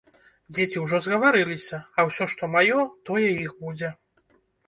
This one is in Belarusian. Дзеці ўжо згаварыліся, а ўсё, што маё, тое іх будзе.